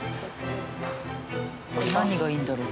何がいいんだろう？